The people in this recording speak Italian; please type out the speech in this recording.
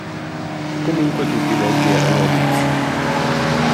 Comunque tutti i denti erano aguzzi.